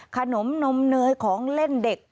ขนมนมเนยของเล่นเด็ก